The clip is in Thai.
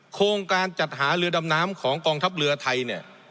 โครงการจัดหาเรือดำน้ำของกองทัพเรือไทยเนี่ย